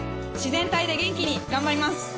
自然体で元気に頑張ります。